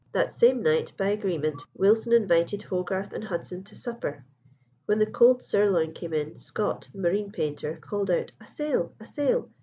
That same night, by agreement, Wilson invited Hogarth and Hudson to supper. When the cold sirloin came in, Scott, the marine painter, called out, "A sail, a sail!"